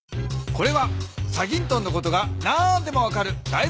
これは『チャギントン』のことが何でも分かるだい